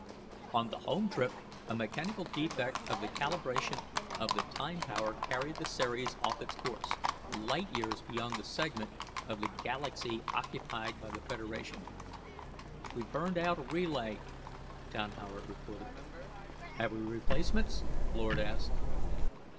On the home trip a mechanical defect of the calibration of the time power carried the Ceres off its course, light years beyond the segment of the Galaxy occupied by the Federation. "We've burned out a relay," Don Howard reported. "Have we replacements?" Lord asked.